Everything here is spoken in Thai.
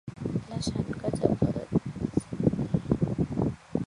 แล้วฉันก็จะต้องเปิดสิ่งนี้